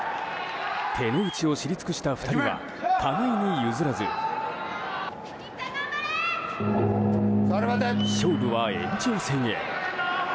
手の内を知り尽くした２人は互いに譲らず勝負は延長戦へ。